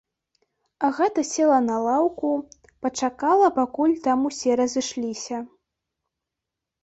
Агата села на лаўку, пачакала, пакуль там усе разышліся.